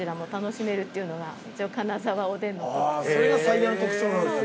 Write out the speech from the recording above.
あそれが最大の特徴なんですね。